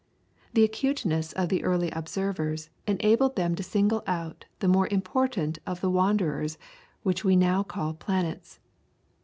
The acuteness of the early observers enabled them to single out the more important of the wanderers which we now call planets.